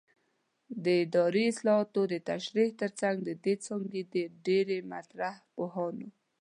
د اداري اصطلاحاتو د تشریح ترڅنګ د دې څانګې د ډېری مطرح پوهانو